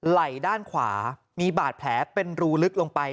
ไหล่ด้านขวามีบาดแผลเป็นรูลึกลงไป